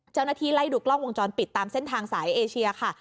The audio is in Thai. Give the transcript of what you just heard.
ไล่ดูกล้องวงจรปิดตามเส้นทางสายเอเชียค่ะ